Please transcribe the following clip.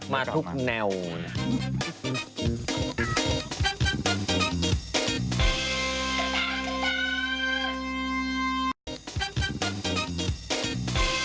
มาทุกแนวนะ